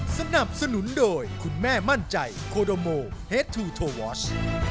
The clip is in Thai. สนับสนุนโดยคุณแม่มั่นใจโคโดโมเฮดทูโทวอช